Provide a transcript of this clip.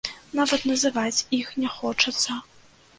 Нават называць іх не хочацца.